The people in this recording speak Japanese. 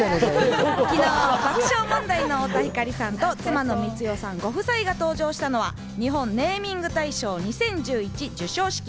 昨日、爆笑問題の太田光さんと妻の光代さんご夫妻が登場したのは日本ネーミング大賞２０２１授賞式。